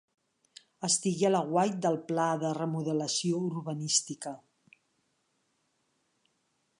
Estigui a l'aguait del pla de remodelació urbanística .